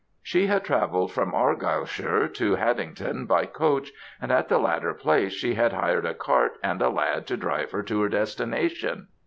She had travelled from Argyleshire to Haddington by coach; and at the latter place she had hired a cart and a lad to drive her to her destination.